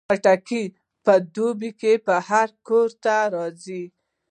خټکی په دوبۍ کې هر کور ته راځي.